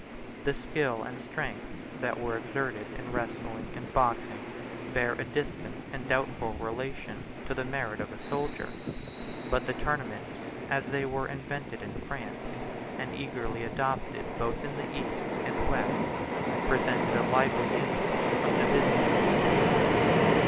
The skill and strength that were exerted in wrestling and boxing bear a distant and doubtful relation to the merit of a soldier; but the tournaments, as they were invented in France, and eagerly adopted both in the East and West, presented a lively image of the business of the field.